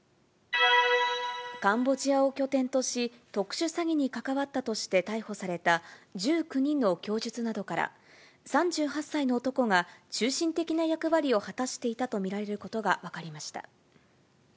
カンボジアを拠点とし、特殊詐欺に関わったとして逮捕された、１９人の供述などから、３８歳の男が中心的な役割を果たしていたと見られることが分かりました。